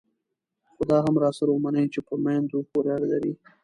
خو دا هم راسره ومنئ چې په میندو پورې اړه لري.